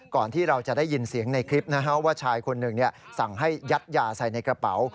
ที่เราจะได้ยินเสียงในคลิปนะฮะว่าชายคนหนึ่งสั่งให้ยัดยาใส่ในกระเป๋า